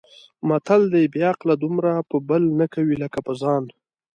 متل دی: بې عقل دومره په بل نه کوي لکه په ځان.